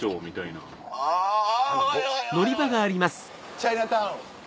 チャイナタウン